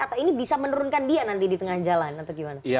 atau ini bisa menurunkan dia nanti di tengah jalan atau gimana